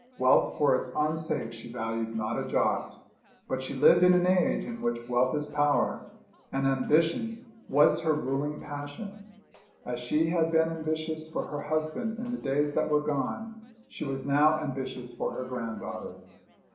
Wealth for its own sake she valued not a jot. But she lived in an age in which wealth is power, and ambition was her ruling passion. As she had been ambitious for her husband in the days that were gone, she was now ambitious for her granddaughter.